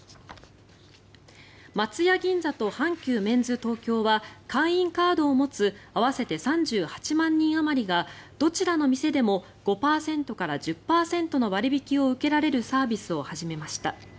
松屋銀座と阪急メンズ東京は会員カードを持つ合わせて３８万人あまりがどちらの店でも５％から１０％の割引を受けられるサービスを始めました。